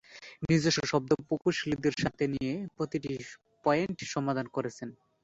নিজস্ব শব্দ প্রকৌশলীদের সাথে নিয়ে প্রতিটি পয়েন্ট সমাধান করেছেন।